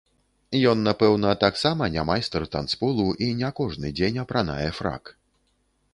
Ён, напэўна, таксама не майстар танцполу і не кожны дзень апранае фрак.